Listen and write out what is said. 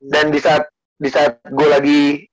dan disaat gue lagi